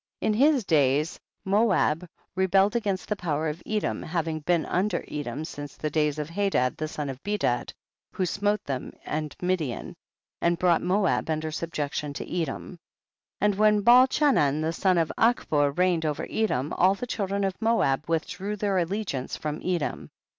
3. In his days Moab rebelled THE BOOK OF JASHER. 225 against the power of Edom, having been under Edom since the days of Hadad the son of Bedad, who smole them and Midian, and brought Moab under subjcclion to Edom. 4. And when Baal Chanan the son of Achbor reigned over Edom, all the children of Moab withdrew^ their allegiance from Edom.